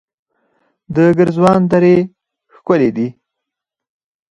د ګرزوان درې ښکلې دي